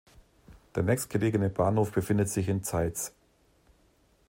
Der nächstgelegene Bahnhof befindet sich in Zeitz.